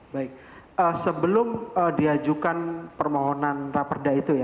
baik sebelum diajukan permohonan raperda itu ya